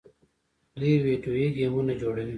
دوی ویډیو ګیمونه جوړوي.